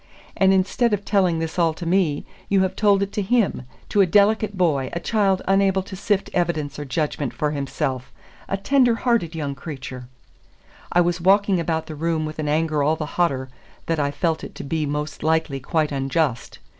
"And instead of telling this all to me, you have told it to him, to a delicate boy, a child unable to sift evidence or judge for himself, a tender hearted young creature " I was walking about the room with an anger all the hotter that I felt it to be most likely quite unjust.